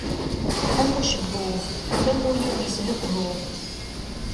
Am ucebbub, fell-am ul-iw yeshebhub.